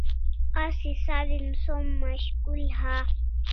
Asi sawin som mashkul ha